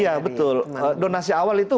iya betul donasi awal itu